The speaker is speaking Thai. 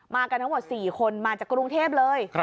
กันทั้งหมด๔คนมาจากกรุงเทพเลย